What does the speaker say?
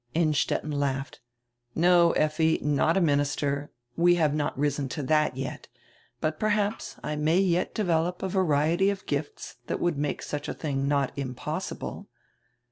Innstetten laughed. "No, Effi, not a minister; we have not risen to that yet. But perhaps I may yet develop a variety of gifts that would make such a tiling not impos sible."